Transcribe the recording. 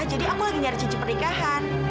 jadi aku lagi nyari cincin pernikahan